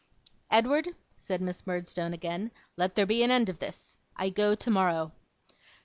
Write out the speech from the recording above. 'Edward,' said Miss Murdstone, again, 'let there be an end of this. I go tomorrow.